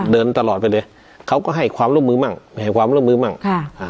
เดินตลอดไปเลยเขาก็ให้ความร่วมมือมั่งให้ความร่วมมือมั่งค่ะอ่า